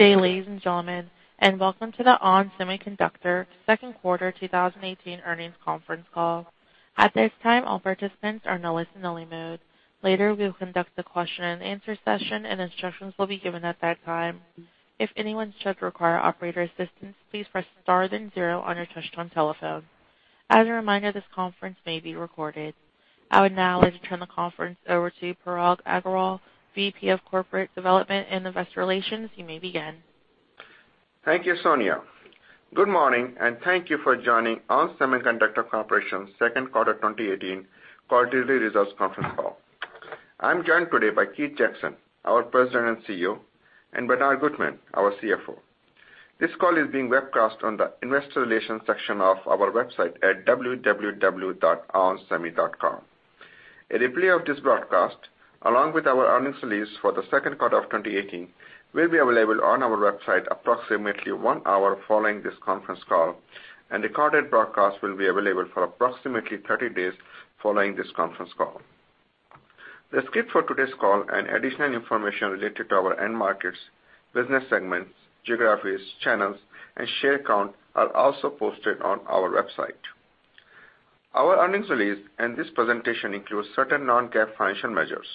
Good day, ladies and gentlemen, and welcome to the ON Semiconductor second quarter 2018 earnings conference call. At this time, all participants are in listen-only mode. Later, we will conduct a question and answer session and instructions will be given at that time. If anyone should require operator assistance, please press star then 0 on your touchtone telephone. As a reminder, this conference may be recorded. I would now like to turn the conference over to Parag Agarwal, Vice President of Corporate Development and Investor Relations. You may begin. Thank you, Sonia. Good morning, and thank you for joining ON Semiconductor Corporation second quarter 2018 quarterly results conference call. I'm joined today by Keith Jackson, our President and CEO, and Bernard Gutmann, our CFO. This call is being webcast on the investor relations section of our website at www.onsemi.com. A replay of this broadcast, along with our earnings release for the second quarter of 2018, will be available on our website approximately one hour following this conference call, and recorded broadcast will be available for approximately 30 days following this conference call. The script for today's call and additional information related to our end markets, business segments, geographies, channels, and share count are also posted on our website. Our earnings release and this presentation includes certain non-GAAP financial measures.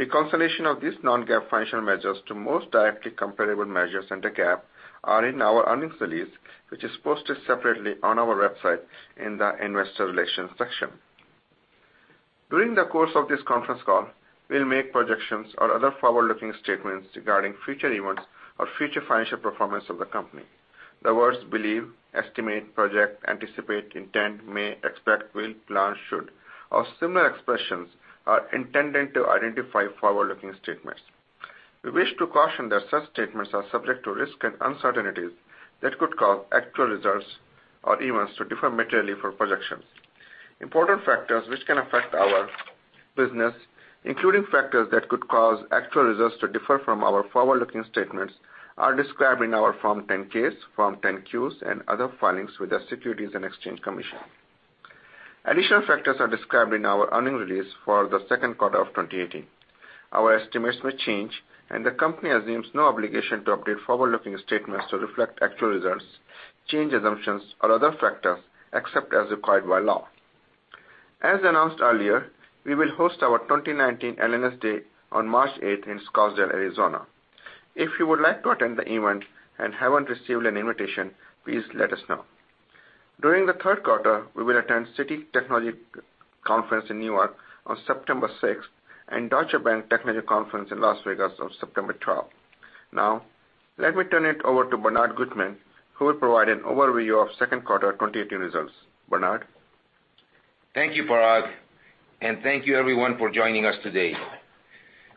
Reconciliation of these non-GAAP financial measures to most directly comparable measures under GAAP are in our earnings release, which is posted separately on our website in the investor relations section. During the course of this conference call, we'll make projections or other forward-looking statements regarding future events or future financial performance of the company. The words believe, estimate, project, anticipate, intend, may, expect, will, plan, should, or similar expressions are intended to identify forward-looking statements. We wish to caution that such statements are subject to risks and uncertainties that could cause actual results or events to differ materially from projections. Important factors which can affect our business, including factors that could cause actual results to differ from our forward-looking statements, are described in our Form 10-Ks, Form 10-Qs, and other filings with the Securities and Exchange Commission. Additional factors are described in our earnings release for the second quarter of 2018. Our estimates may change, and the company assumes no obligation to update forward-looking statements to reflect actual results, change assumptions, or other factors, except as required by law. As announced earlier, we will host our 2019 Analyst Day on March 8th in Scottsdale, Arizona. If you would like to attend the event and haven't received an invitation, please let us know. During the third quarter, we will attend Citi Technology Conference in New York on September 6th and Deutsche Bank Technology Conference in Las Vegas on September 12th. Now, let me turn it over to Bernard Gutmann, who will provide an overview of second quarter 2018 results. Bernard? Thank you, Parag, and thank you everyone for joining us today.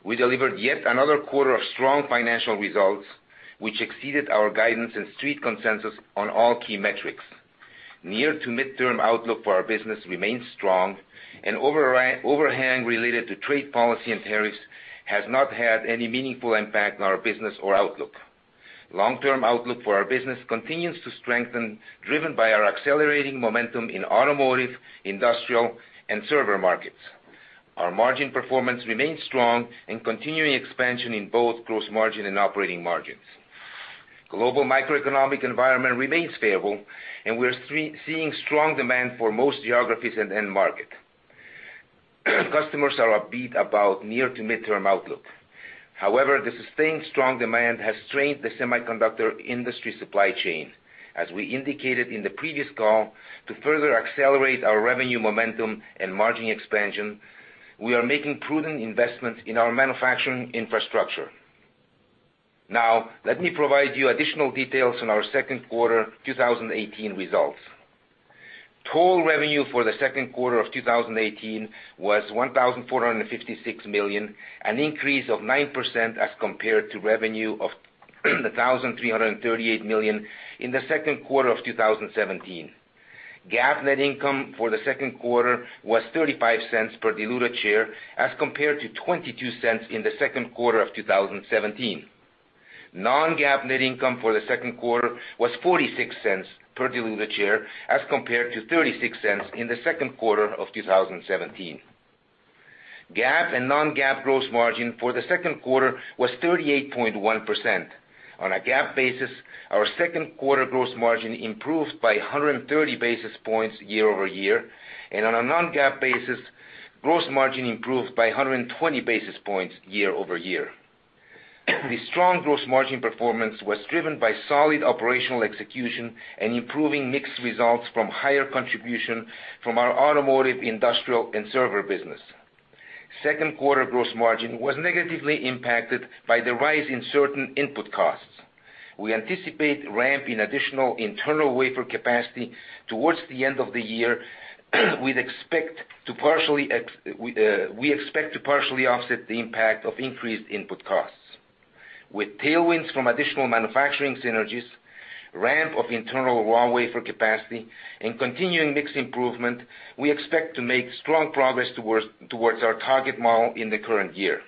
We delivered yet another quarter of strong financial results, which exceeded our guidance and Street consensus on all key metrics. Near to midterm outlook for our business remains strong and overhang related to trade policy and tariffs has not had any meaningful impact on our business or outlook. Long-term outlook for our business continues to strengthen, driven by our accelerating momentum in automotive, industrial, and server markets. Our margin performance remains strong and continuing expansion in both gross margin and operating margins. Global macroeconomic environment remains favorable, and we're seeing strong demand for most geographies and end market. Customers are upbeat about near to midterm outlook. However, the sustained strong demand has strained the semiconductor industry supply chain. As we indicated in the previous call, to further accelerate our revenue momentum and margin expansion, we are making prudent investments in our manufacturing infrastructure. Let me provide you additional details on our second quarter 2018 results. Total revenue for the second quarter of 2018 was $1,456 million, an increase of 9% as compared to revenue of $1,338 million in the second quarter of 2017. GAAP net income for the second quarter was $0.35 per diluted share as compared to $0.22 in the second quarter of 2017. Non-GAAP net income for the second quarter was $0.46 per diluted share as compared to $0.36 in the second quarter of 2017. GAAP and non-GAAP gross margin for the second quarter was 38.1%. On a GAAP basis, our second quarter gross margin improved by 130 basis points year-over-year, and on a non-GAAP basis, gross margin improved by 120 basis points year-over-year. The strong gross margin performance was driven by solid operational execution and improving mixed results from higher contribution from our automotive, industrial, and server business. Second quarter gross margin was negatively impacted by the rise in certain input costs. We anticipate ramp in additional internal wafer capacity towards the end of the year, we expect to partially offset the impact of increased input costs. With tailwinds from additional manufacturing synergies, ramp of internal wafer capacity, and continuing mix improvement, we expect to make strong progress towards our target model in the current year.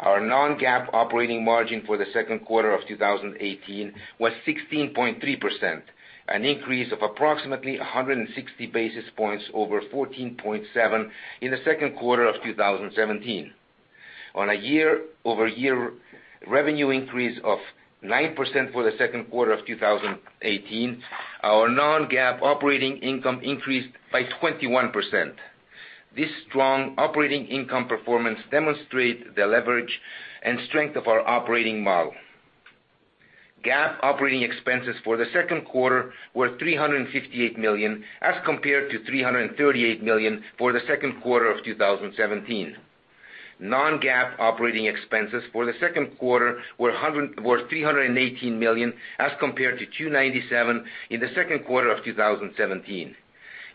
GAAP operating margin for the second quarter of 2018 was 13.5%, as compared to 11.5% in the second quarter of 2017. Our non-GAAP operating margin for the second quarter of 2018 was 16.3%, an increase of approximately 160 basis points over 14.7% in the second quarter of 2017. On a year-over-year revenue increase of 9% for the second quarter of 2018, our non-GAAP operating income increased by 21%. This strong operating income performance demonstrate the leverage and strength of our operating model. GAAP operating expenses for the second quarter were $358 million, as compared to $338 million for the second quarter of 2017. Non-GAAP operating expenses for the second quarter were $318 million, as compared to $297 million in the second quarter of 2017.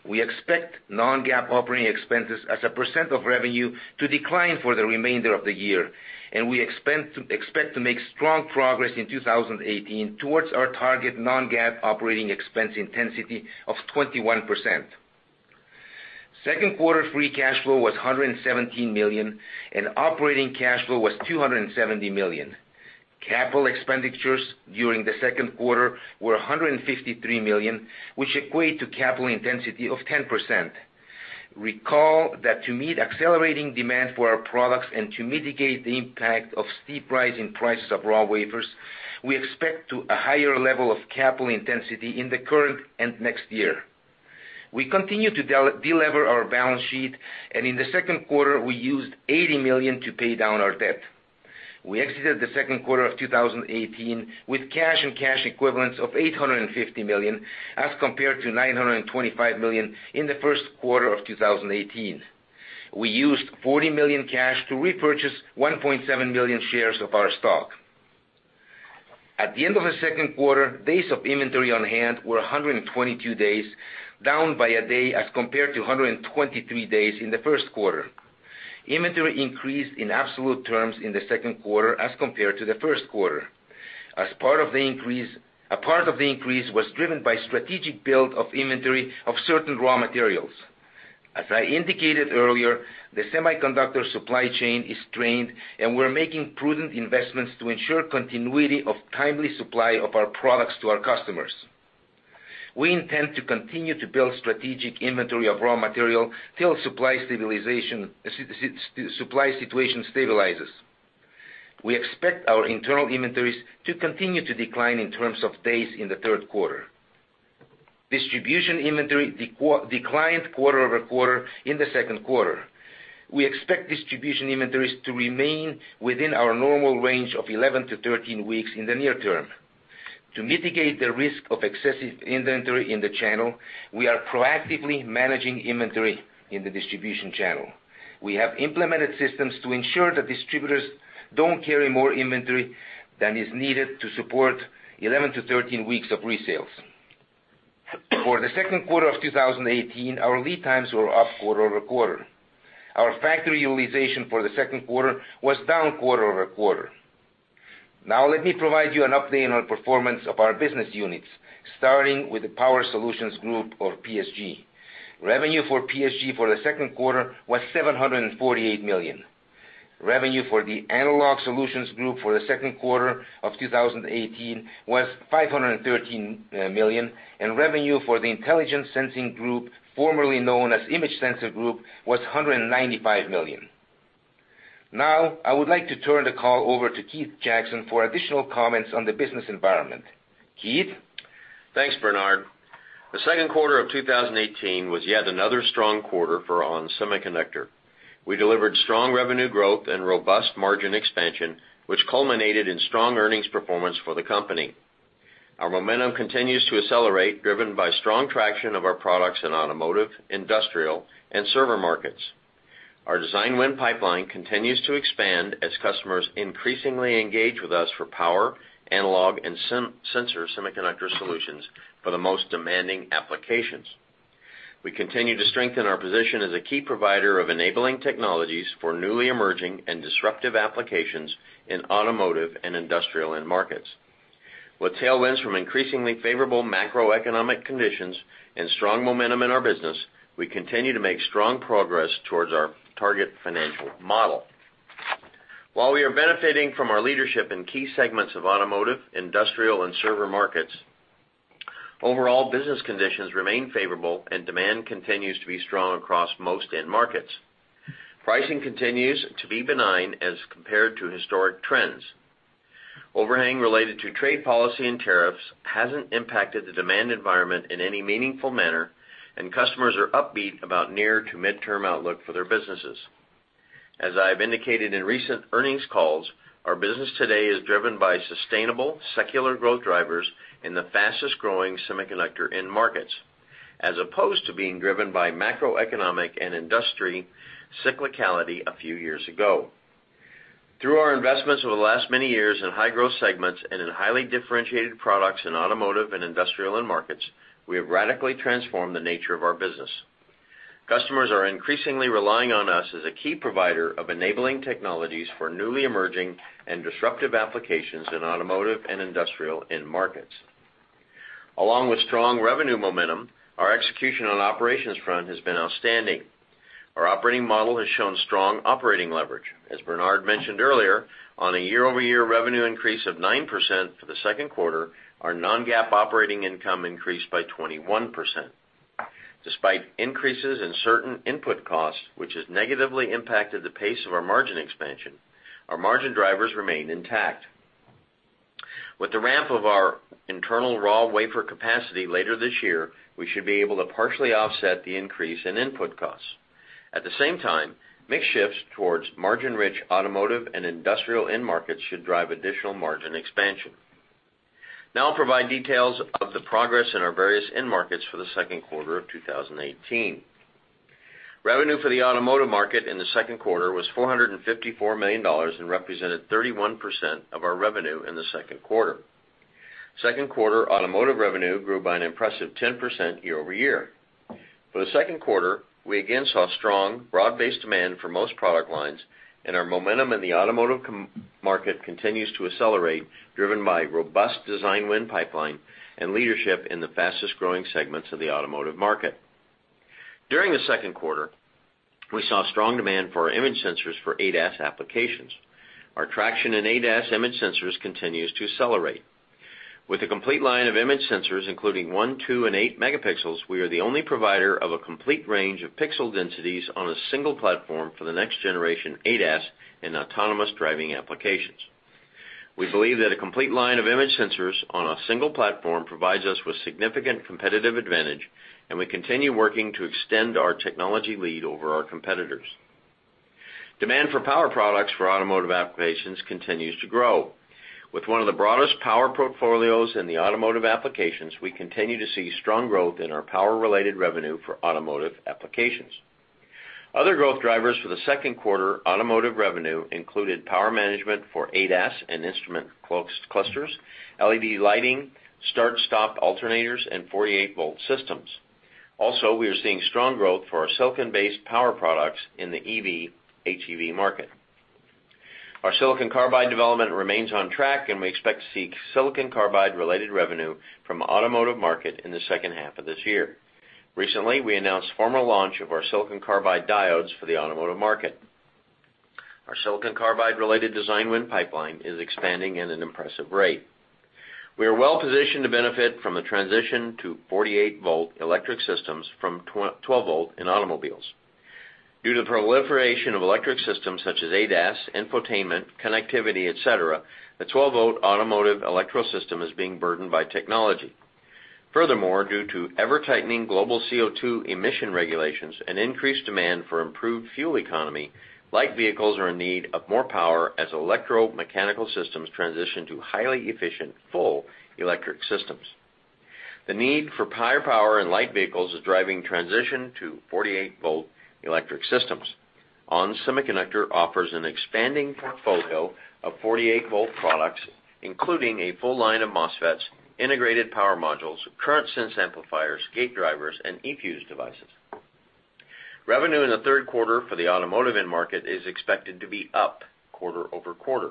We expect non-GAAP operating expenses as a percent of revenue to decline for the remainder of the year, and we expect to make strong progress in 2018 towards our target non-GAAP operating expense intensity of 21%. Second quarter free cash flow was $117 million, and operating cash flow was $270 million. Capital expenditures during the second quarter were $153 million, which equate to capital intensity of 10%. Recall that to meet accelerating demand for our products and to mitigate the impact of steep rise in prices of raw wafers, we expect a higher level of capital intensity in the current and next year. We continue to de-lever our balance sheet. In the second quarter, we used $80 million to pay down our debt. We exited the second quarter of 2018 with cash and cash equivalents of $850 million, as compared to $925 million in the first quarter of 2018. We used $40 million cash to repurchase 1.7 million shares of our stock. At the end of the second quarter, days of inventory on hand were 122 days, down by a day as compared to 123 days in the first quarter. Inventory increased in absolute terms in the second quarter as compared to the first quarter. A part of the increase was driven by strategic build of inventory of certain raw materials. As I indicated earlier, the semiconductor supply chain is strained, and we're making prudent investments to ensure continuity of timely supply of our products to our customers. We intend to continue to build strategic inventory of raw material till supply situation stabilizes. We expect our internal inventories to continue to decline in terms of days in the third quarter. Distribution inventory declined quarter-over-quarter in the second quarter. We expect distribution inventories to remain within our normal range of 11 to 13 weeks in the near term. To mitigate the risk of excessive inventory in the channel, we are proactively managing inventory in the distribution channel. We have implemented systems to ensure that distributors don't carry more inventory than is needed to support 11 to 13 weeks of resales. For the second quarter of 2018, our lead times were up quarter-over-quarter. Our factory utilization for the second quarter was down quarter-over-quarter. Now, let me provide you an update on performance of our business units, starting with the Power Solutions Group or PSG. Revenue for PSG for the second quarter was $748 million. Revenue for the Analog Solutions Group for the second quarter of 2018 was $513 million. Revenue for the Intelligent Sensing Group, formerly known as Image Sensor Group, was $195 million. Now, I would like to turn the call over to Keith Jackson for additional comments on the business environment. Keith? Thanks, Bernard. The second quarter of 2018 was yet another strong quarter for ON Semiconductor. We delivered strong revenue growth and robust margin expansion, which culminated in strong earnings performance for the company. Our momentum continues to accelerate, driven by strong traction of our products in automotive, industrial, and server markets. Our design win pipeline continues to expand as customers increasingly engage with us for power, analog, and sensor semiconductor solutions for the most demanding applications. We continue to strengthen our position as a key provider of enabling technologies for newly emerging and disruptive applications in automotive and industrial end markets. With tailwinds from increasingly favorable macroeconomic conditions and strong momentum in our business, we continue to make strong progress towards our target financial model. While we are benefiting from our leadership in key segments of automotive, industrial, and server markets, overall business conditions remain favorable and demand continues to be strong across most end markets. Pricing continues to be benign as compared to historic trends. Overhang related to trade policy and tariffs hasn't impacted the demand environment in any meaningful manner, and customers are upbeat about near to midterm outlook for their businesses. As I have indicated in recent earnings calls, our business today is driven by sustainable, secular growth drivers in the fastest-growing semiconductor end markets, as opposed to being driven by macroeconomic and industry cyclicality a few years ago. Through our investments over the last many years in high-growth segments and in highly differentiated products in automotive and industrial end markets, we have radically transformed the nature of our business. Customers are increasingly relying on us as a key provider of enabling technologies for newly emerging and disruptive applications in automotive and industrial end markets. Along with strong revenue momentum, our execution on the operations front has been outstanding. Our operating model has shown strong operating leverage. As Bernard mentioned earlier, on a year-over-year revenue increase of 9% for the second quarter, our non-GAAP operating income increased by 21%. Despite increases in certain input costs, which has negatively impacted the pace of our margin expansion, our margin drivers remain intact. With the ramp of our internal raw wafer capacity later this year, we should be able to partially offset the increase in input costs. At the same time, mix shifts towards margin-rich automotive and industrial end markets should drive additional margin expansion. Now I'll provide details of the progress in our various end markets for the second quarter of 2018. Revenue for the automotive market in the second quarter was $454 million and represented 31% of our revenue in the second quarter. Second quarter automotive revenue grew by an impressive 10% year-over-year. For the second quarter, we again saw strong, broad-based demand for most product lines, and our momentum in the automotive market continues to accelerate, driven by robust design win pipeline and leadership in the fastest-growing segments of the automotive market. During the second quarter, we saw strong demand for our image sensors for ADAS applications. Our traction in ADAS image sensors continues to accelerate. With a complete line of image sensors, including one, two, and eight megapixels, we are the only provider of a complete range of pixel densities on a single platform for the next generation ADAS and autonomous driving applications. We believe that a complete line of image sensors on a single platform provides us with significant competitive advantage, and we continue working to extend our technology lead over our competitors. Demand for power products for automotive applications continues to grow. With one of the broadest power portfolios in the automotive applications, we continue to see strong growth in our power-related revenue for automotive applications. Other growth drivers for the second quarter automotive revenue included power management for ADAS and instrument clusters, LED lighting, start/stop alternators, and 48-volt systems. Also, we are seeing strong growth for our silicon-based power products in the EV, HEV market. Our silicon carbide development remains on track, and we expect to see silicon carbide-related revenue from automotive market in the second half of this year. Recently, we announced formal launch of our silicon carbide diodes for the automotive market. Our silicon carbide-related design win pipeline is expanding at an impressive rate. We are well positioned to benefit from the transition to 48-volt electric systems from 12-volt in automobiles. Due to the proliferation of electric systems such as ADAS, infotainment, connectivity, et cetera, the 12-volt automotive electrical system is being burdened by technology. Furthermore, due to ever-tightening global CO2 emission regulations and increased demand for improved fuel economy, light vehicles are in need of more power as electromechanical systems transition to highly efficient full electric systems. The need for higher power in light vehicles is driving transition to 48-volt electric systems. ON Semiconductor offers an expanding portfolio of 48-volt products, including a full line of MOSFETs, integrated power modules, current sense amplifiers, gate drivers, and eFuse devices. Revenue in the third quarter for the automotive end market is expected to be up quarter-over-quarter.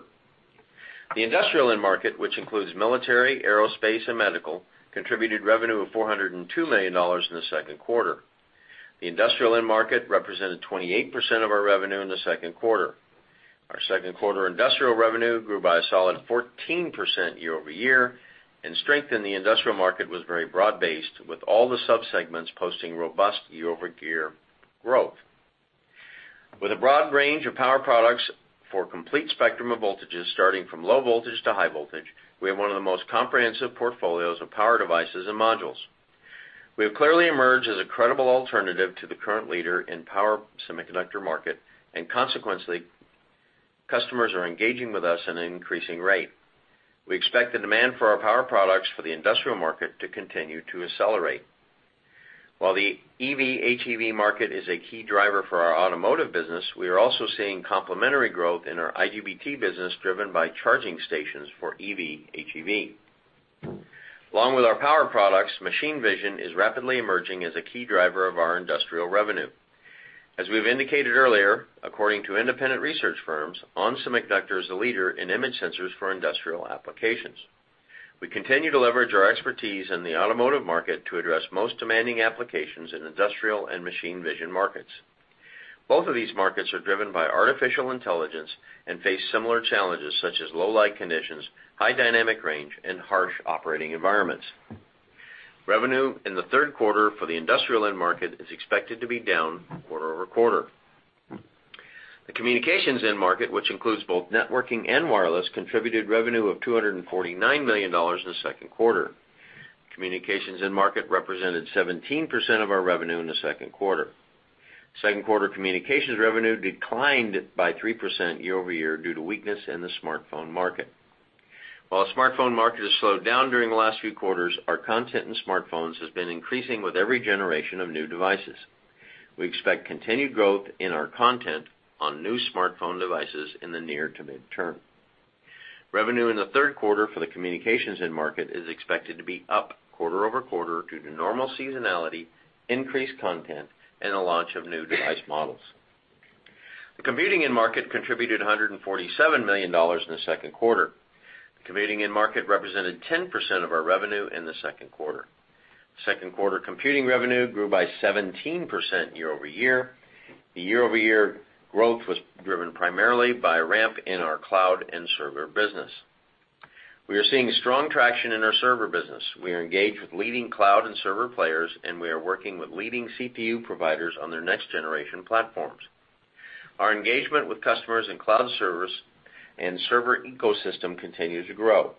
The industrial end market, which includes military, aerospace, and medical, contributed revenue of $402 million in the second quarter. The industrial end market represented 28% of our revenue in the second quarter. Our second quarter industrial revenue grew by a solid 14% year-over-year. Strength in the industrial market was very broad based, with all the sub-segments posting robust year-over-year growth. With a broad range of power products for a complete spectrum of voltages, starting from low voltage to high voltage, we have one of the most comprehensive portfolios of power devices and modules. We have clearly emerged as a credible alternative to the current leader in power semiconductor market. Consequently, customers are engaging with us at an increasing rate. We expect the demand for our power products for the industrial market to continue to accelerate. While the EV, HEV market is a key driver for our automotive business, we are also seeing complementary growth in our IGBT business, driven by charging stations for EV, HEV. Along with our power products, machine vision is rapidly emerging as a key driver of our industrial revenue. As we've indicated earlier, according to independent research firms, ON Semiconductor is a leader in image sensors for industrial applications. We continue to leverage our expertise in the automotive market to address most demanding applications in industrial and machine vision markets. Both of these markets are driven by artificial intelligence and face similar challenges, such as low light conditions, high dynamic range, and harsh operating environments. Revenue in the third quarter for the industrial end market is expected to be down quarter-over-quarter. The communications end market, which includes both networking and wireless, contributed revenue of $249 million in the second quarter. Communications end market represented 17% of our revenue in the second quarter. Second quarter communications revenue declined by 3% year-over-year due to weakness in the smartphone market. While the smartphone market has slowed down during the last few quarters, our content in smartphones has been increasing with every generation of new devices. We expect continued growth in our content on new smartphone devices in the near to midterm. Revenue in the third quarter for the communications end market is expected to be up quarter-over-quarter due to normal seasonality, increased content, and the launch of new device models. The computing end market contributed $147 million in the second quarter. The computing end market represented 10% of our revenue in the second quarter. Second quarter computing revenue grew by 17% year-over-year. The year-over-year growth was driven primarily by a ramp in our cloud and server business. We are seeing strong traction in our server business. We are engaged with leading cloud and server players, and we are working with leading CPU providers on their next generation platforms. Our engagement with customers in cloud servers and server ecosystem continue to grow.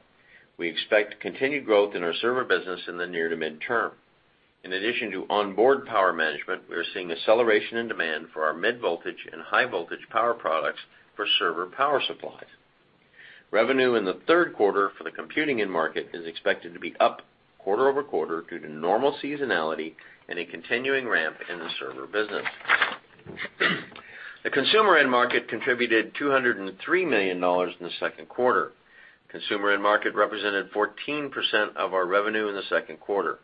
We expect continued growth in our server business in the near to midterm. In addition to onboard power management, we are seeing acceleration in demand for our mid voltage and high voltage power products for server power supplies. Revenue in the third quarter for the computing end market is expected to be up quarter-over-quarter due to normal seasonality and a continuing ramp in the server business. The consumer end market contributed $203 million in the second quarter. Consumer end market represented 14% of our revenue in the second quarter.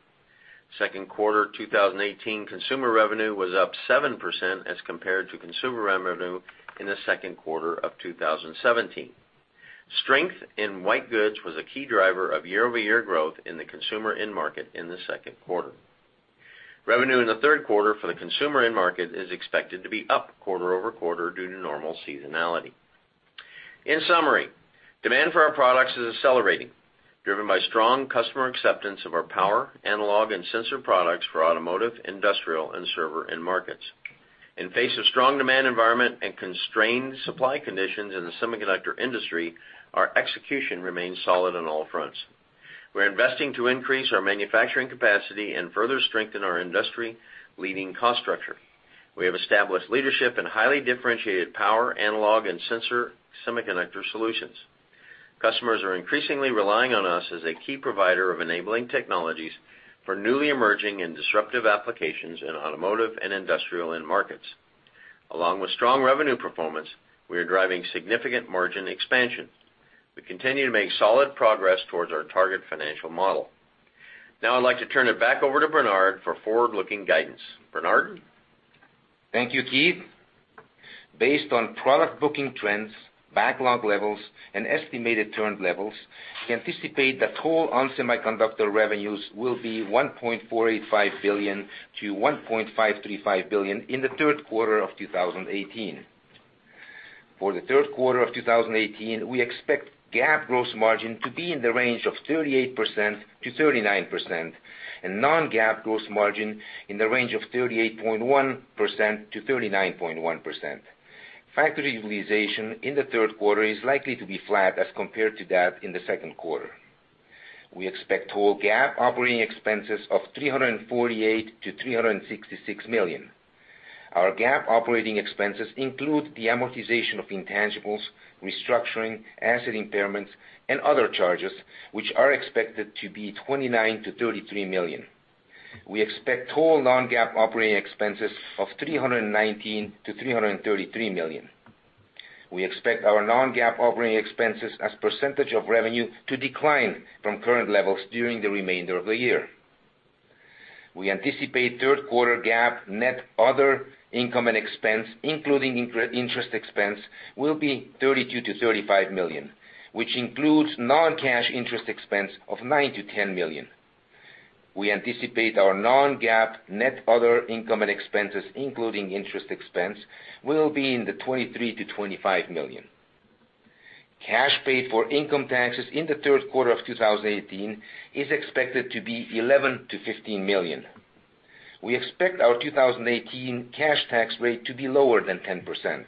Second quarter 2018 consumer revenue was up 7% as compared to consumer revenue in the second quarter of 2017. Strength in white goods was a key driver of year-over-year growth in the consumer end market in the second quarter. Revenue in the third quarter for the consumer end market is expected to be up quarter-over-quarter due to normal seasonality. In summary, demand for our products is accelerating, driven by strong customer acceptance of our power, analog, and sensor products for automotive, industrial, and server end markets. In face of strong demand environment and constrained supply conditions in the semiconductor industry, our execution remains solid on all fronts. We're investing to increase our manufacturing capacity and further strengthen our industry leading cost structure. We have established leadership in highly differentiated power, analog, and sensor semiconductor solutions. Customers are increasingly relying on us as a key provider of enabling technologies for newly emerging and disruptive applications in automotive and industrial end markets. Along with strong revenue performance, we are driving significant margin expansion. We continue to make solid progress towards our target financial model. Now I'd like to turn it back over to Bernard for forward-looking guidance. Bernard? Thank you, Keith. Based on product booking trends, backlog levels, and estimated turned levels, we anticipate that total ON Semiconductor revenues will be $1.485 billion-$1.535 billion in the third quarter of 2018. For the third quarter of 2018, we expect GAAP gross margin to be in the range of 38%-39%, and non-GAAP gross margin in the range of 38.1%-39.1%. Factory utilization in the third quarter is likely to be flat as compared to that in the second quarter. We expect total GAAP operating expenses of $348 million-$366 million. Our GAAP operating expenses include the amortization of intangibles, restructuring, asset impairments, and other charges, which are expected to be $29 million-$33 million. We expect total non-GAAP operating expenses of $319 million-$333 million. We expect our non-GAAP operating expenses as percentage of revenue to decline from current levels during the remainder of the year. We anticipate third quarter GAAP net other income and expense, including interest expense, will be $32 million-$35 million, which includes non-cash interest expense of $9 million-$10 million. We anticipate our non-GAAP net other income and expenses, including interest expense, will be in the $23 million-$25 million. Cash paid for income taxes in the third quarter of 2018 is expected to be $11 million-$15 million. We expect our 2018 cash tax rate to be lower than 10%.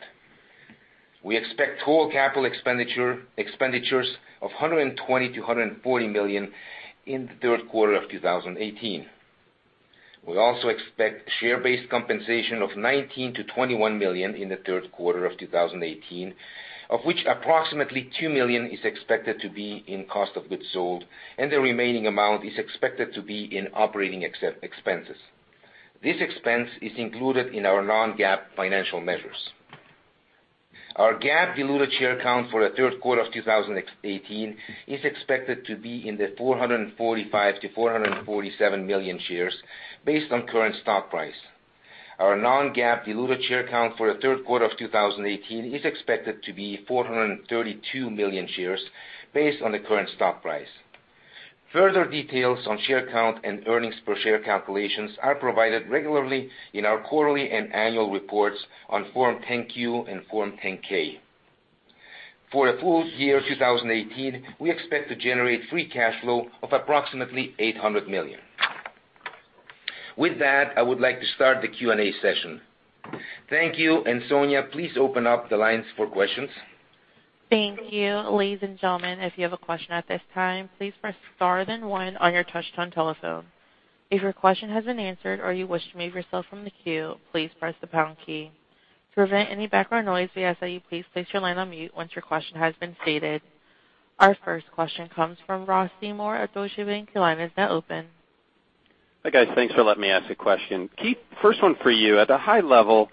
We expect total capital expenditures of $120 million-$140 million in the third quarter of 2018. We also expect share-based compensation of $19 million-$21 million in the third quarter of 2018, of which approximately $2 million is expected to be in cost of goods sold. The remaining amount is expected to be in operating expenses. This expense is included in our non-GAAP financial measures. Our GAAP diluted share count for the third quarter of 2018 is expected to be in the 445 million-447 million shares, based on current stock price. Our non-GAAP diluted share count for the third quarter of 2018 is expected to be 432 million shares based on the current stock price. Further details on share count and earnings per share calculations are provided regularly in our quarterly and annual reports on Form 10-Q and Form 10-K. For the full year 2018, we expect to generate free cash flow of approximately $800 million. With that, I would like to start the Q&A session. Thank you. Sonia, please open up the lines for questions. Thank you. Ladies and gentlemen, if you have a question at this time, please press star then one on your touchtone telephone. If your question has been answered or you wish to remove yourself from the queue, please press the pound key. To prevent any background noise, we ask that you please place your line on mute once your question has been stated. Our first question comes from Ross Seymore at Deutsche Bank. Your line is now open. Hi guys. Thanks for letting me ask a question. Keith, first one for you. At a high level,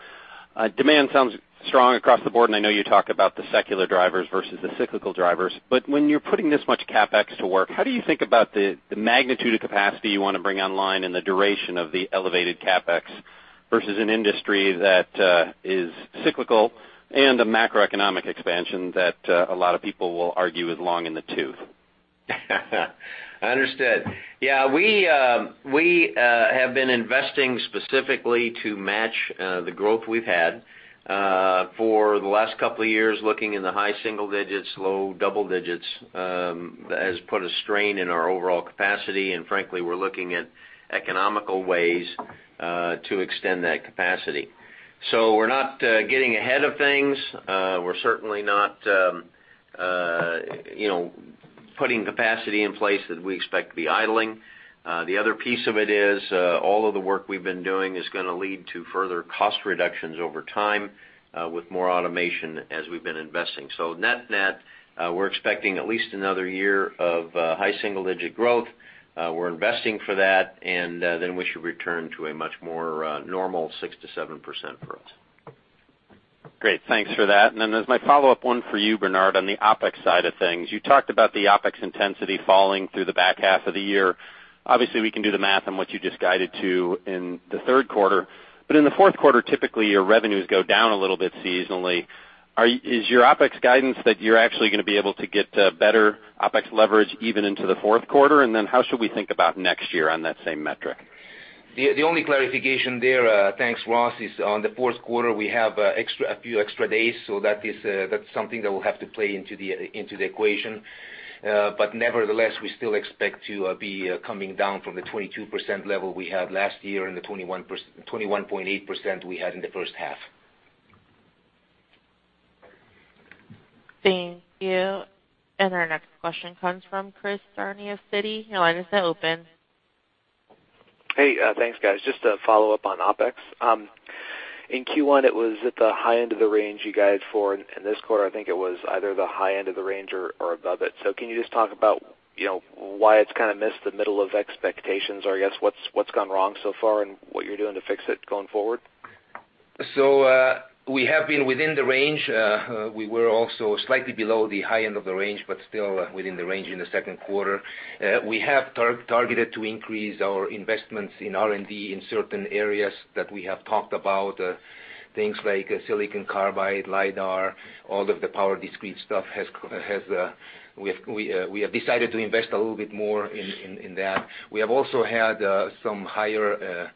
demand sounds strong across the board, and I know you talk about the secular drivers versus the cyclical drivers, but when you're putting this much CapEx to work, how do you think about the magnitude of capacity you want to bring online and the duration of the elevated CapEx versus an industry that is cyclical and a macroeconomic expansion that a lot of people will argue is long in the tooth? Understood. Yeah. We have been investing specifically to match the growth we've had for the last couple of years, looking in the high single digits, low double digits, has put a strain in our overall capacity, and frankly, we're looking at economical ways to extend that capacity. We're not getting ahead of things. We're certainly not putting capacity in place that we expect to be idling. The other piece of it is all of the work we've been doing is going to lead to further cost reductions over time with more automation as we've been investing. Net-net, we're expecting at least another year of high single-digit growth. We're investing for that, and then we should return to a much more normal 6%-7% growth. Great. Thanks for that. There's my follow-up one for you, Bernard, on the OpEx side of things. You talked about the OpEx intensity falling through the back half of the year. Obviously, we can do the math on what you just guided to in the third quarter. In the fourth quarter, typically, your revenues go down a little bit seasonally. Is your OpEx guidance that you're actually going to be able to get better OpEx leverage even into the fourth quarter? How should we think about next year on that same metric? The only clarification there, thanks, Ross, is on the fourth quarter, we have a few extra days, so that's something that will have to play into the equation. Nevertheless, we still expect to be coming down from the 22% level we had last year and the 21.8% we had in the first half. Thank you. Our next question comes from Christopher Danely of Citi. Your line is now open. Hey, thanks, guys. Just a follow-up on OpEx. In Q1, it was at the high end of the range you guide for. In this quarter, I think it was either the high end of the range or above it. Can you just talk about why it's kind of missed the middle of expectations, or I guess what's gone wrong so far and what you're doing to fix it going forward? We have been within the range. We were also slightly below the high end of the range, but still within the range in the second quarter. We have targeted to increase our investments in R&D in certain areas that we have talked about, things like silicon carbide, lidar, all of the power discrete stuff, we have decided to invest a little bit more in that. We have also had some higher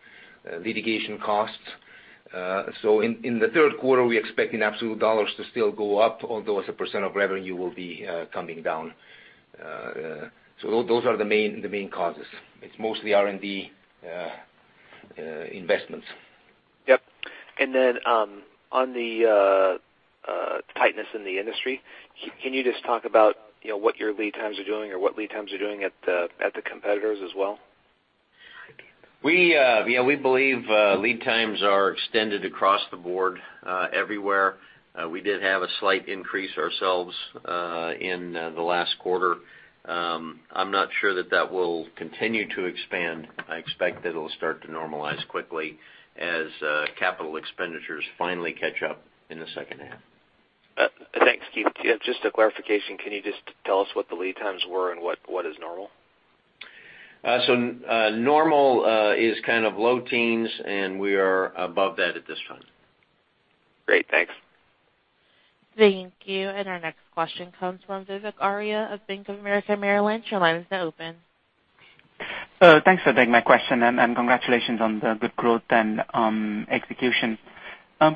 litigation costs. In the third quarter, we expect in absolute dollars to still go up, although as a % of revenue will be coming down. Those are the main causes. It's mostly R&D investments. Yep. Then on the tightness in the industry, can you just talk about what your lead times are doing or what lead times are doing at the competitors as well? We believe lead times are extended across the board everywhere. We did have a slight increase ourselves in the last quarter. I'm not sure that that will continue to expand. I expect that it'll start to normalize quickly as capital expenditures finally catch up in the second half. Thanks, Keith. Just a clarification, can you just tell us what the lead times were and what is normal? Normal is kind of low teens, and we are above that at this time. Great. Thanks. Thank you. Our next question comes from Vivek Arya of Bank of America Merrill Lynch. Your line is now open. Thanks for taking my question, and congratulations on the good growth and execution.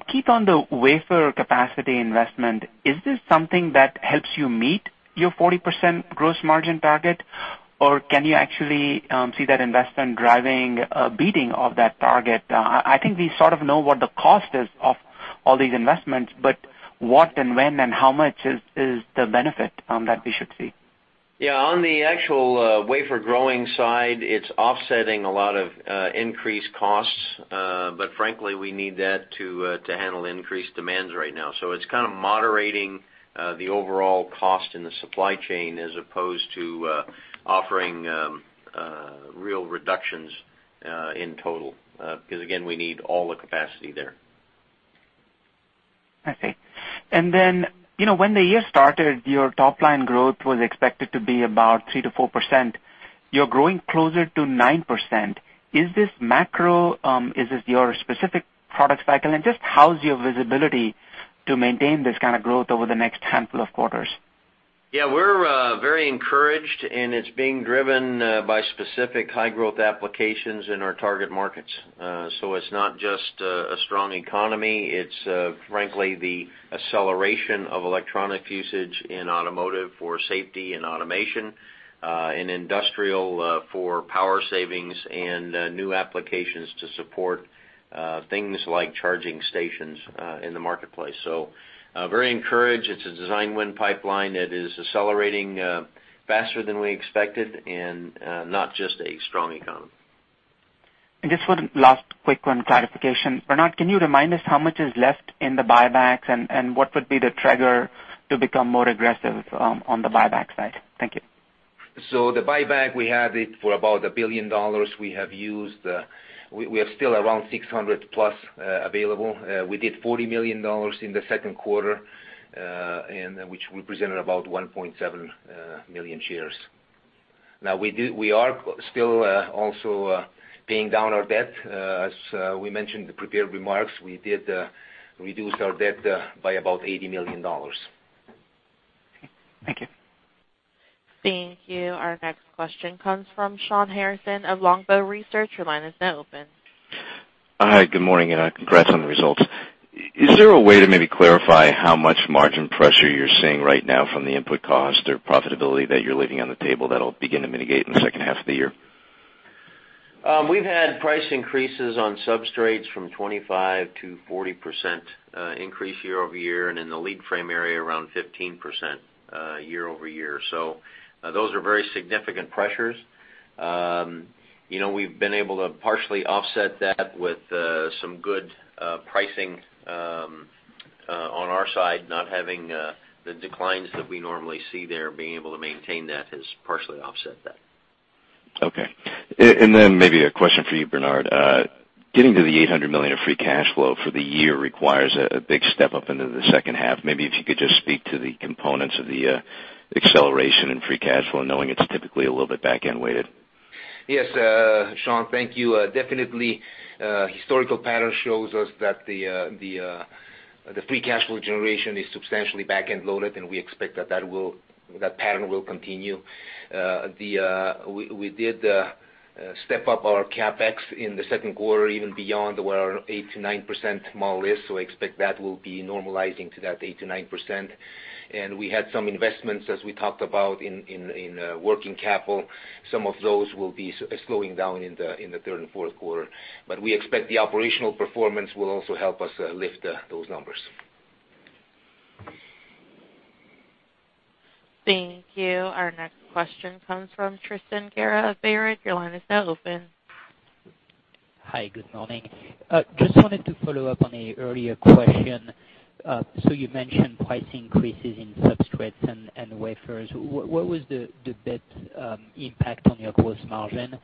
Keith, on the wafer capacity investment, is this something that helps you meet your 40% gross margin target, or can you actually see that investment driving a beating of that target? I think we sort of know what the cost is of all these investments, but what and when and how much is the benefit that we should see? Yeah. On the actual wafer growing side, it's offsetting a lot of increased costs. Frankly, we need that to handle increased demands right now. It's kind of moderating the overall cost in the supply chain as opposed to offering real reductions in total. Again, we need all the capacity there. I see. When the year started, your top-line growth was expected to be about 3%-4%. You're growing closer to 9%. Is this macro? Is this your specific product cycle? Just how's your visibility to maintain this kind of growth over the next handful of quarters? Yeah, we're very encouraged. It's being driven by specific high-growth applications in our target markets. It's not just a strong economy. It's frankly the acceleration of electronic usage in automotive for safety and automation, in industrial for power savings and new applications to support things like charging stations in the marketplace. Very encouraged. It's a design win pipeline that is accelerating faster than we expected and not just a strong economy. Just one last quick one, clarification. Bernard, can you remind us how much is left in the buybacks and what would be the trigger to become more aggressive on the buyback side? Thank you. The buyback, we had it for about $1 billion. We have still around 600+ available. We did $40 million in the second quarter, which represented about 1.7 million shares. We are still also paying down our debt. As we mentioned in the prepared remarks, we did reduce our debt by about $80 million. Thank you. Thank you. Our next question comes from Shawn Harrison of Longbow Research. Your line is now open. Hi, good morning. Congrats on the results. Is there a way to maybe clarify how much margin pressure you are seeing right now from the input cost or profitability that you are leaving on the table that will begin to mitigate in the second half of the year? We have had price increases on substrates from 25%-40% increase year-over-year, and in the lead frame area, around 15% year-over-year. Those are very significant pressures. We have been able to partially offset that with some good pricing on our side, not having the declines that we normally see there, being able to maintain that has partially offset that. Okay. Maybe a question for you, Bernard. Getting to the $800 million of free cash flow for the year requires a big step up into the second half. Maybe if you could just speak to the components of the acceleration in free cash flow, knowing it is typically a little bit back-end weighted. Yes, Shawn, thank you. Definitely historical pattern shows us that the free cash flow generation is substantially back-end loaded, and we expect that that pattern will continue. We did step up our CapEx in the second quarter, even beyond where our 8%-9% model is, so I expect that will be normalizing to that 8%-9%. We had some investments, as we talked about in working capital. Some of those will be slowing down in the third and fourth quarter. We expect the operational performance will also help us lift those numbers. Thank you. Our next question comes from Tristan Gerra of Baird. Your line is now open. Hi, good morning. Just wanted to follow up on an earlier question. You mentioned price increases in substrates and wafers. What was the net impact on your gross margin?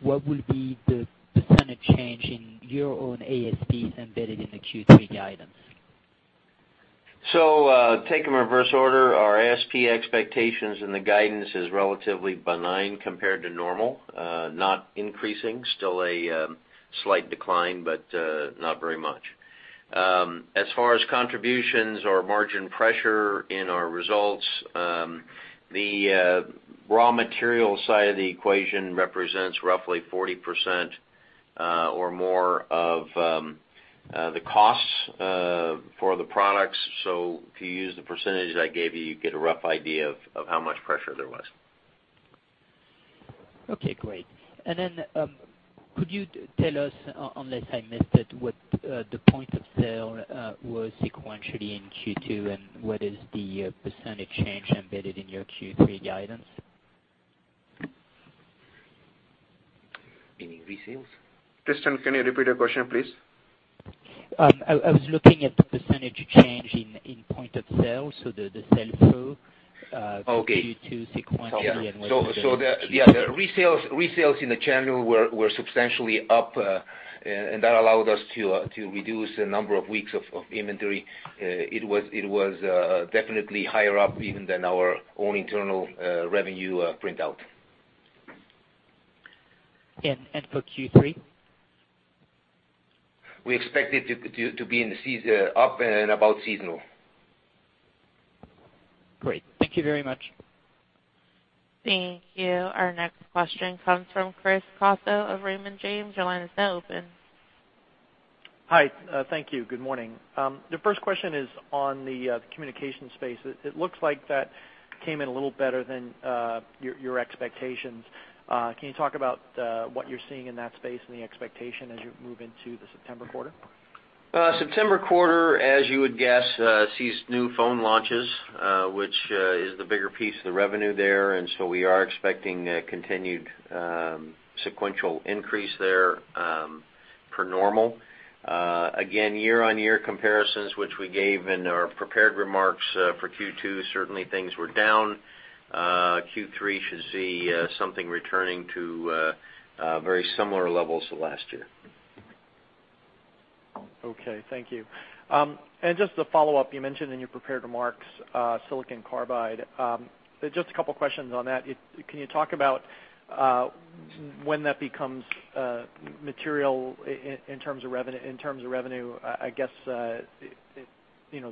What will be the percentage change in your own ASPs embedded in the Q3 guidance? Meaning resales? Tristan, can you repeat the question, please? I was looking at the % change in point of sale, so the sell-through. Okay Q2 sequentially what. Yeah. The resales in the channel were substantially up, and that allowed us to reduce the number of weeks of inventory. It was definitely higher up even than our own internal revenue printout. For Q3? We expect it to be up and about seasonal. Great. Thank you very much. Thank you. Our next question comes from Chris Caso of Raymond James. Your line is now open. Hi. Thank you. Good morning. The first question is on the communication space. It looks like that came in a little better than your expectations. Can you talk about what you're seeing in that space and the expectation as you move into the September quarter? September quarter, as you would guess, sees new phone launches, which is the bigger piece of the revenue there. We are expecting a continued sequential increase there per normal. Again, year-on-year comparisons, which we gave in our prepared remarks for Q2, certainly things were down. Q3 should see something returning to very similar levels to last year. Okay. Thank you. Just to follow up, you mentioned in your prepared remarks, silicon carbide. Just a couple questions on that. Can you talk about when that becomes material in terms of revenue? I guess,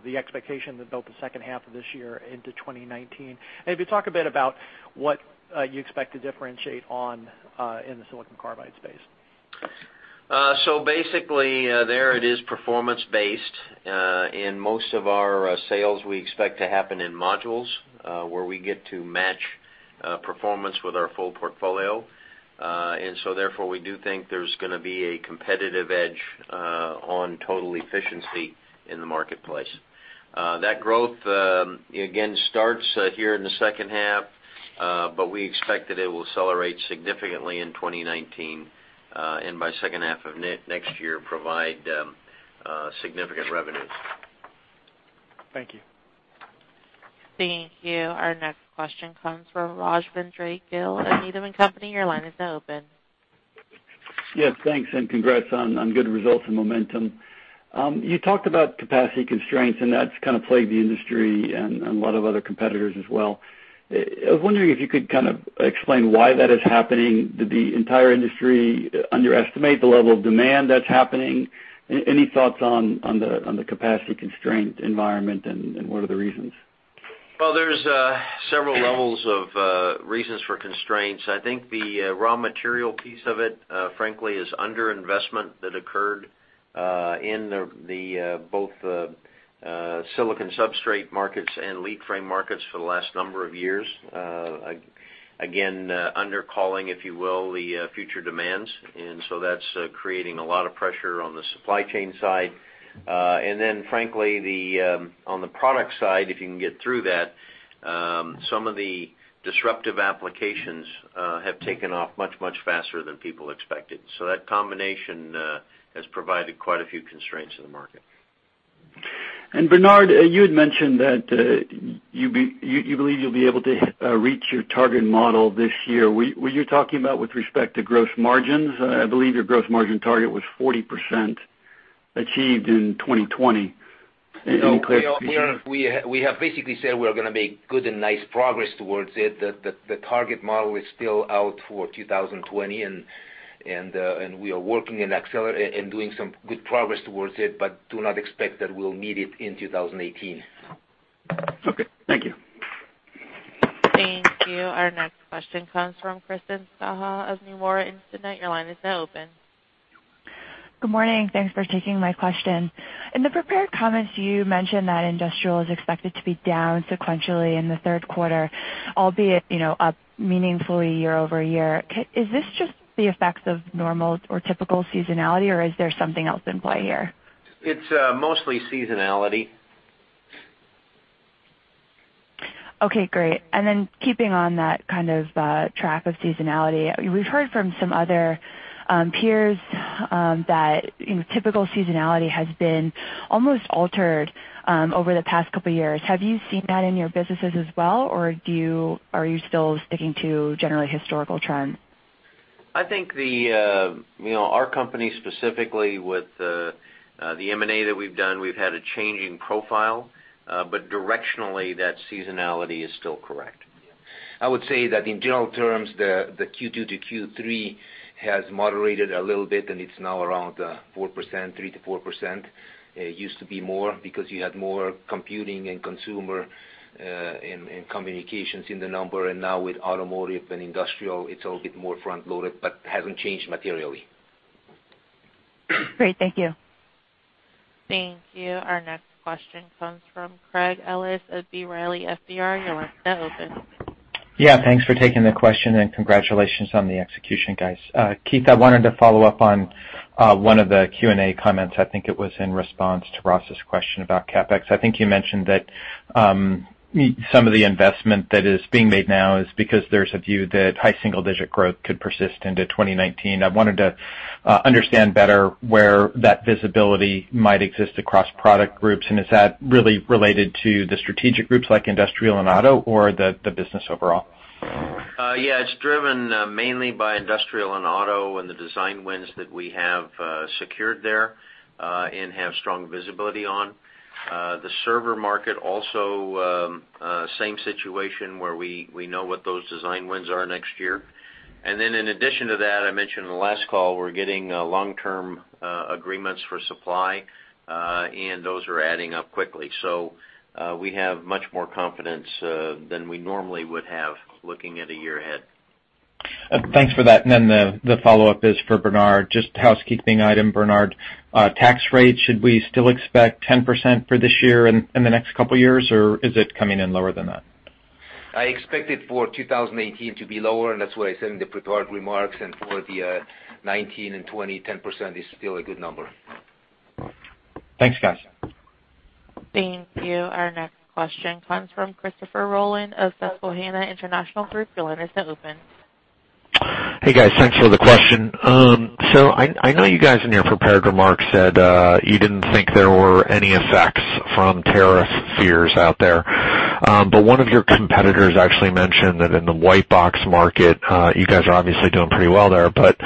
the expectation that built the second half of this year into 2019. If you talk a bit about what you expect to differentiate on in the silicon carbide space. Basically, there it is performance-based. In most of our sales, we expect to happen in modules, where we get to match performance with our full portfolio. Therefore, we do think there's gonna be a competitive edge on total efficiency in the marketplace. That growth, again, starts here in the second half We expect that it will accelerate significantly in 2019, and by second half of next year, provide significant revenue. Thank you. Thank you. Our next question comes from Rajvindra Gill of Needham & Company. Your line is now open. Yes, thanks. Congrats on good results and momentum. You talked about capacity constraints, and that's kind of plagued the industry and a lot of other competitors as well. I was wondering if you could kind of explain why that is happening. Did the entire industry underestimate the level of demand that's happening? Any thoughts on the capacity constraint environment and what are the reasons? Well, there's several levels of reasons for constraints. I think the raw material piece of it, frankly, is under-investment that occurred in both the silicon substrate markets and lead frame markets for the last number of years. Again, under-calling, if you will, the future demands. That's creating a lot of pressure on the supply chain side. Frankly, on the product side, if you can get through that, some of the disruptive applications have taken off much, much faster than people expected. That combination has provided quite a few constraints in the market. Bernard, you had mentioned that you believe you'll be able to reach your target model this year. Were you talking about with respect to gross margins? I believe your gross margin target was 40% achieved in 2020. No, we have basically said we're going to make good and nice progress towards it. The target model is still out for 2020 and we are working and doing some good progress towards it, but do not expect that we'll meet it in 2018. Okay. Thank you. Thank you. Our next question comes from Romit Shah of Nomura Instinet. Your line is now open. Good morning. Thanks for taking my question. In the prepared comments, you mentioned that industrial is expected to be down sequentially in the third quarter, albeit up meaningfully year-over-year. Is this just the effects of normal or typical seasonality, or is there something else in play here? It's mostly seasonality. Okay, great. Keeping on that kind of track of seasonality, we've heard from some other peers that typical seasonality has been almost altered over the past couple of years. Have you seen that in your businesses as well, or are you still sticking to general historical trends? I think our company specifically with the M&A that we've done, we've had a changing profile. Directionally, that seasonality is still correct. I would say that in general terms, the Q2 to Q3 has moderated a little bit, and it's now around 3%-4%. It used to be more because you had more computing and consumer and communications in the number, and now with automotive and industrial, it's a little bit more front-loaded, but hasn't changed materially. Great. Thank you. Thank you. Our next question comes from Craig Ellis of B. Riley FBR. Your line is now open. Yeah, thanks for taking the question and congratulations on the execution, guys. Keith, I wanted to follow up on one of the Q&A comments. I think it was in response to Ross's question about CapEx. I think you mentioned that some of the investment that is being made now is because there's a view that high single-digit growth could persist into 2019. I wanted to understand better where that visibility might exist across product groups, and is that really related to the strategic groups like industrial and auto or the business overall? It's driven mainly by industrial and auto and the design wins that we have secured there, and have strong visibility on. The server market also, same situation where we know what those design wins are next year. In addition to that, I mentioned in the last call, we're getting long-term agreements for supply, those are adding up quickly. We have much more confidence than we normally would have looking at a year ahead. Thanks for that. The follow-up is for Bernard. Just housekeeping item, Bernard. Tax rate, should we still expect 10% for this year and the next couple of years, or is it coming in lower than that? I expect it for 2018 to be lower, that's what I said in the prepared remarks. For the 2019 and 2020, 10% is still a good number. Thanks, guys. Thank you. Our next question comes from Christopher Rolland of Susquehanna International Group. Your line is now open. Hey, guys, thanks for the question. I know you guys in your prepared remarks said you didn't think there were any effects from tariff fears out there. One of your competitors actually mentioned that in the white box market, you guys are obviously doing pretty well there, but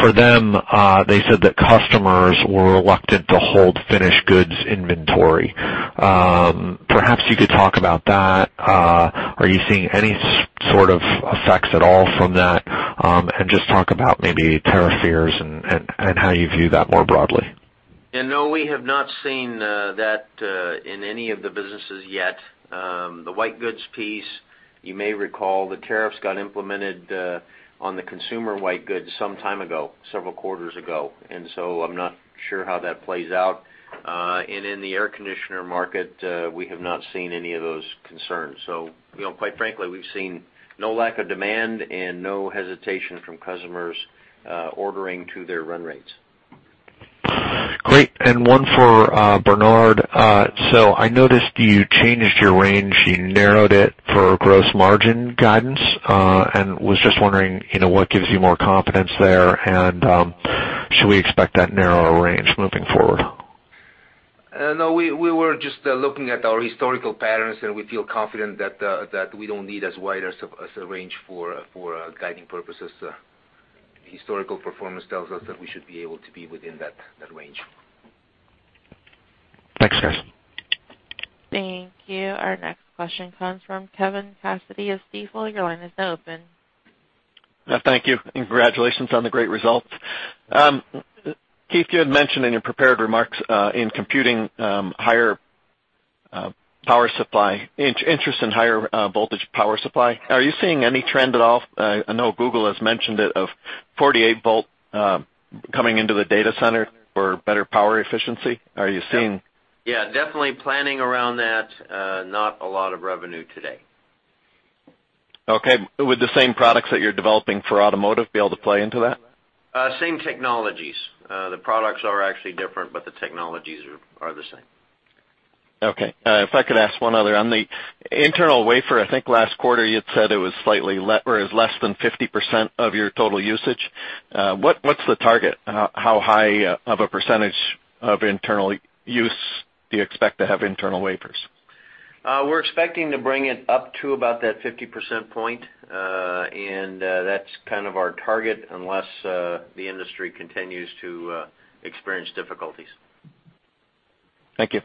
for them, they said that customers were reluctant to hold finished goods inventory. Perhaps you could talk about that. Are you seeing any sort of effects at all from that? Just talk about maybe tariff fears and how you view that more broadly. No, we have not seen that in any of the businesses yet. The white goods piece, you may recall, the tariffs got implemented on the consumer white goods some time ago, several quarters ago. I'm not sure how that plays out. In the air conditioner market, we have not seen any of those concerns. Quite frankly, we've seen no lack of demand and no hesitation from customers ordering to their run rates. Great. One for Bernard. I noticed you changed your range, you narrowed it for gross margin guidance, and was just wondering what gives you more confidence there, and should we expect that narrower range moving forward? We were just looking at our historical patterns, and we feel confident that we don't need as wide as a range for guiding purposes. Historical performance tells us that we should be able to be within that range. Thanks, guys. Thank you. Our next question comes from Kevin Cassidy of Stifel. Your line is now open. Thank you, congratulations on the great results. Keith, you had mentioned in your prepared remarks in computing higher power supply, interest in higher voltage power supply. Are you seeing any trend at all? I know Google has mentioned it, of 48 volt coming into the data center for better power efficiency. Yeah, definitely planning around that. Not a lot of revenue today. Okay, would the same products that you're developing for automotive be able to play into that? Same technologies. The products are actually different, but the technologies are the same. Okay. If I could ask one other. On the internal wafer, I think last quarter you had said it was less than 50% of your total usage. What's the target? How high of a percentage of internal use do you expect to have internal wafers? We're expecting to bring it up to about that 50% point, and that's kind of our target, unless the industry continues to experience difficulties. Thank you.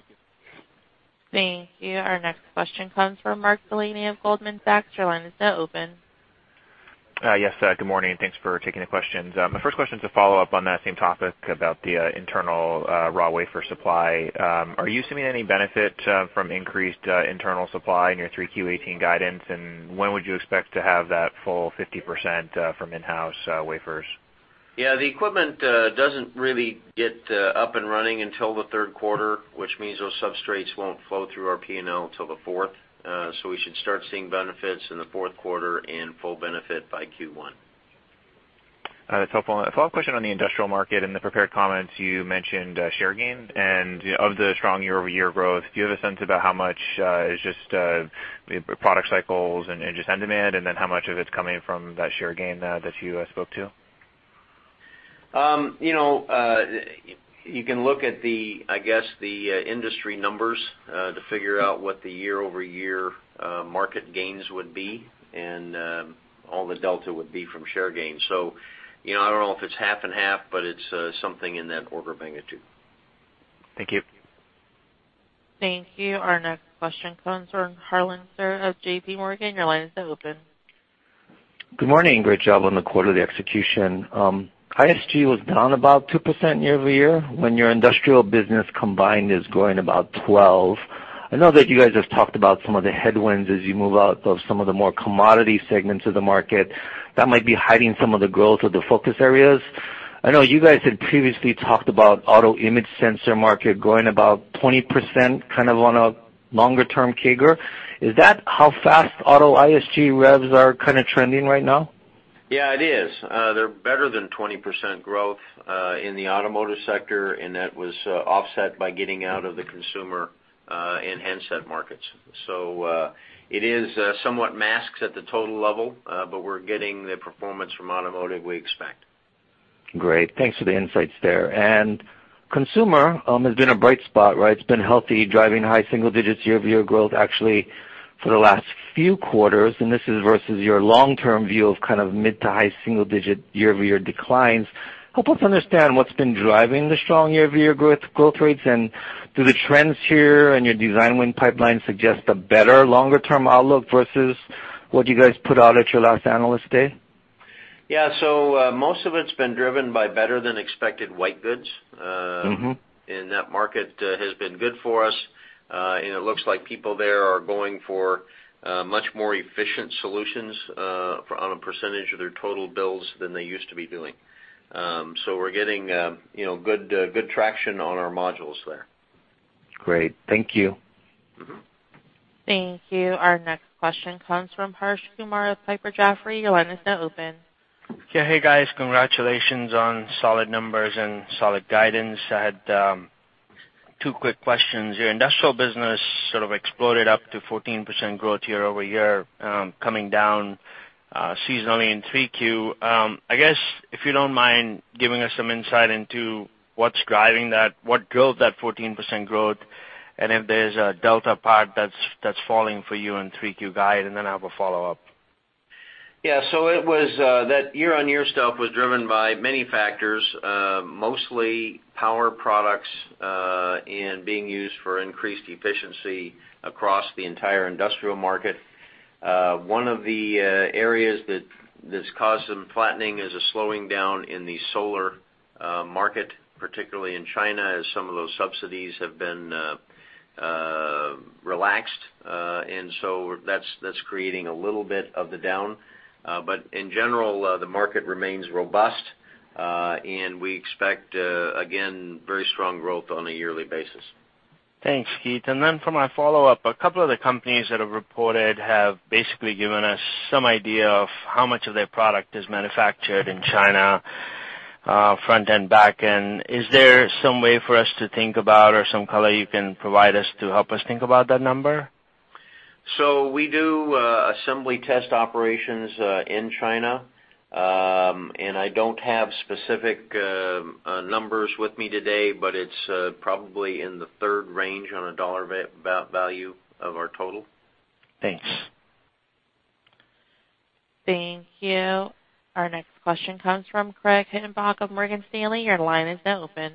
Thank you. Our next question comes from Mark Delaney of Goldman Sachs. Your line is now open. Yes, good morning, and thanks for taking the questions. My first question is a follow-up on that same topic about the internal raw wafer supply. Are you seeing any benefit from increased internal supply in your 3Q 2018 guidance, and when would you expect to have that full 50% from in-house wafers? The equipment doesn't really get up and running until the third quarter, which means those substrates won't flow through our P&L until the fourth. We should start seeing benefits in the fourth quarter and full benefit by Q1. That's helpful. A follow-up question on the industrial market. In the prepared comments, you mentioned share gain. Of the strong year-over-year growth, do you have a sense about how much is just product cycles and just end demand, and then how much of it's coming from that share gain that you spoke to? You can look at the industry numbers to figure out what the year-over-year market gains would be, and all the delta would be from share gains. I don't know if it's half and half, but it's something in that order of magnitude. Thank you. Thank you. Our next question comes from Harlan Sur of J.P. Morgan. Your line is now open. Good morning, great job on the quarterly execution. ISG was down about 2% year-over-year when your industrial business combined is growing about 12%. I know that you guys have talked about some of the headwinds as you move out of some of the more commodity segments of the market that might be hiding some of the growth of the focus areas. I know you guys had previously talked about auto image sensor market growing about 20%, kind of on a longer-term CAGR. Is that how fast auto ISG revs are kind of trending right now? Yeah, it is. They're better than 20% growth in the automotive sector, and that was offset by getting out of the consumer and handset markets. It is somewhat masked at the total level, but we're getting the performance from automotive we expect. Great. Thanks for the insights there. Consumer has been a bright spot, right? It's been healthy, driving high single digits year-over-year growth, actually, for the last few quarters, and this is versus your long-term view of kind of mid to high single digit year-over-year declines. Help us understand what's been driving the strong year-over-year growth rates, and do the trends here and your design win pipeline suggest a better longer-term outlook versus what you guys put out at your last Analyst Day? Yeah. Most of it's been driven by better than expected white goods. That market has been good for us. It looks like people there are going for much more efficient solutions on a percentage of their total bills than they used to be doing. We're getting good traction on our modules there. Great. Thank you. Thank you. Our next question comes from Harsh Kumar of Piper Jaffray. Your line is now open. Yeah. Hey, guys. Congratulations on solid numbers and solid guidance. I had two quick questions. Your industrial business sort of exploded up to 14% growth year-over-year, coming down seasonally in 3Q. I guess, if you don't mind giving us some insight into what's driving that, what drove that 14% growth, and if there's a delta part that's falling for you in 3Q guide, then I have a follow-up. Yeah. That year-on-year stuff was driven by many factors, mostly power products and being used for increased efficiency across the entire industrial market. One of the areas that's caused some flattening is a slowing down in the solar market, particularly in China, as some of those subsidies have been relaxed. That's creating a little bit of the down. In general, the market remains robust, and we expect, again, very strong growth on a yearly basis. Thanks, Keith. For my follow-up, a couple of the companies that have reported have basically given us some idea of how much of their product is manufactured in China, front and back end. Is there some way for us to think about or some color you can provide us to help us think about that number? We do assembly test operations in China. I don't have specific numbers with me today, but it's probably in the third range on a dollar value of our total. Thanks. Thank you. Our next question comes from Craig Hettenbach of Morgan Stanley. Your line is now open.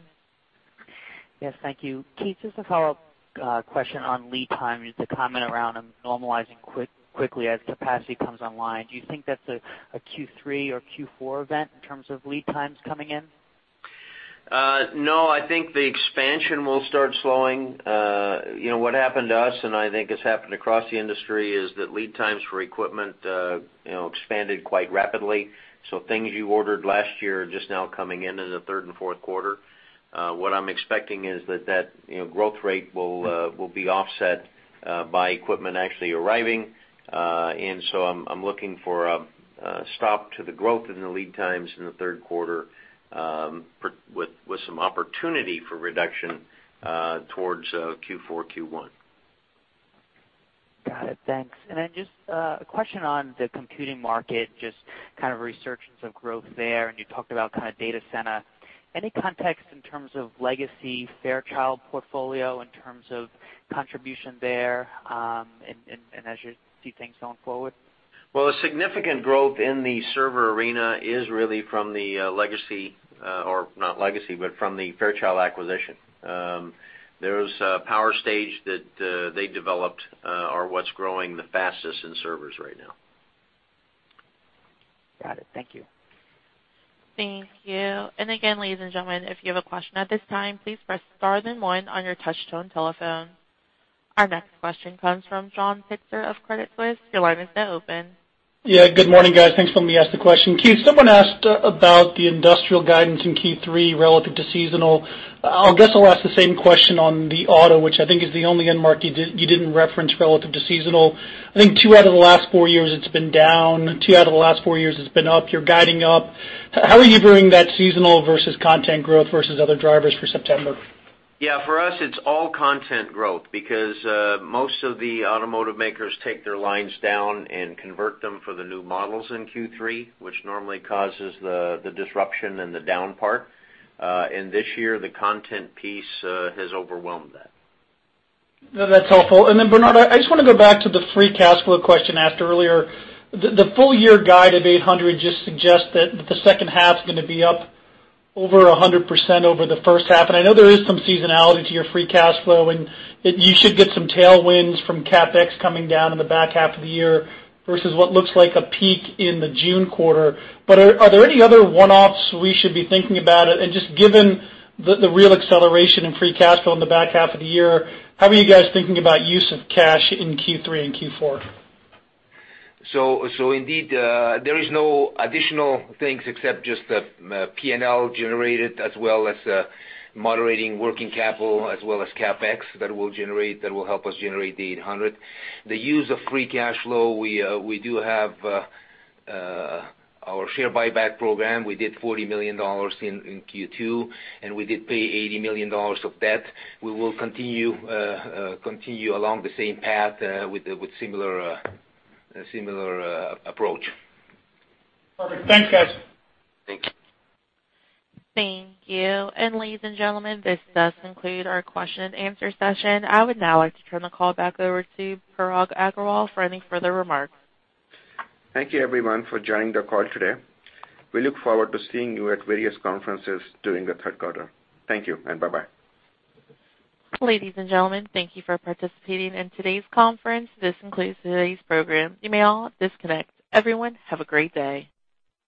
Yes, thank you. Keith, just a follow-up question on lead time. You had to comment around on normalizing quickly as capacity comes online. Do you think that's a Q3 or Q4 event in terms of lead times coming in? No, I think the expansion will start slowing. What happened to us, and I think has happened across the industry, is that lead times for equipment expanded quite rapidly. Things you ordered last year are just now coming in in the third and fourth quarter. What I'm expecting is that that growth rate will be offset by equipment actually arriving. I'm looking for a stop to the growth in the lead times in the third quarter, with some opportunity for reduction towards Q4, Q1. Got it. Thanks. Just a question on the computing market, just kind of a resurgence of growth there, and you talked about data center. Any context in terms of legacy Fairchild portfolio, in terms of contribution there, and as you see things going forward? Well, a significant growth in the server arena is really from the legacy, or not legacy, but from the Fairchild acquisition. There's a power stage that they developed, or what's growing the fastest in servers right now. Got it. Thank you. Thank you. Again, ladies and gentlemen, if you have a question at this time, please press star then one on your touch-tone telephone. Our next question comes from John Pitzer of Credit Suisse. Your line is now open. Yeah, good morning, guys. Thanks for letting me ask the question. Keith, someone asked about the industrial guidance in Q3 relative to seasonal. I guess I'll ask the same question on the auto, which I think is the only end market you didn't reference relative to seasonal. I think two out of the last four years it's been down, two out of the last four years it's been up. You're guiding up. How are you viewing that seasonal versus content growth versus other drivers for September? Yeah, for us, it's all content growth because most of the automotive makers take their lines down and convert them for the new models in Q3, which normally causes the disruption and the down part. This year, the content piece has overwhelmed that. That's helpful. Then Bernard, I just want to go back to the free cash flow question asked earlier. The full-year guide of $800 just suggests that the second half's going to be up over 100% over the first half. I know there is some seasonality to your free cash flow, and you should get some tailwinds from CapEx coming down in the back half of the year versus what looks like a peak in the June quarter. Are there any other one-offs we should be thinking about? Just given the real acceleration in free cash flow in the back half of the year, how are you guys thinking about use of cash in Q3 and Q4? Indeed, there is no additional things except just the P&L generated, as well as moderating working capital, as well as CapEx that will help us generate the $800. The use of free cash flow, we do have our share buyback program. We did $40 million in Q2, and we did pay $80 million of debt. We will continue along the same path with similar approach. Perfect. Thanks, guys. Thank you. Thank you. Ladies and gentlemen, this does conclude our question and answer session. I would now like to turn the call back over to Parag Agarwal for any further remarks. Thank you everyone for joining the call today. We look forward to seeing you at various conferences during the third quarter. Thank you, and bye-bye. Ladies and gentlemen, thank you for participating in today's conference. This concludes today's program. You may all disconnect. Everyone, have a great day.